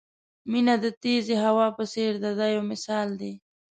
مینه د تېزې هوا په څېر ده دا یو مثال دی.